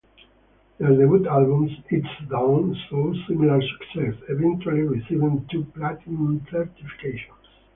Their debut album "It's Done" saw similar success, eventually receiving two platinum certifications.